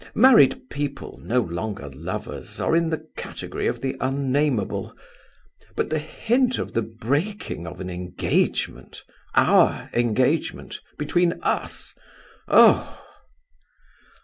Married people no longer lovers are in the category of the unnameable. But the hint of the breaking of an engagement our engagement! between us? Oh!"